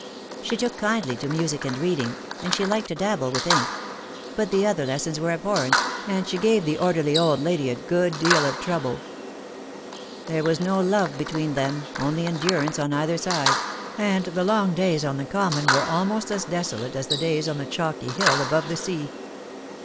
She took kindly to music and reading, and she liked to dabble with ink ; but the other lessons were abhorrent, and she gave the orderly old lady a good deal of trouble. There was no love between them, only endurance on either side ; and the long days on the common were almost as desolate as the days on the chalky hill above the sea.